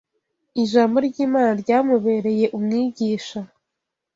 Ijambo ry’Imana ryamubereye umwigisha